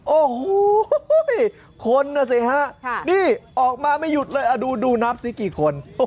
โอ้โหคนน่ะสิฮะนี่ออกมาไม่หยุดเลยดูนับสิกี่คน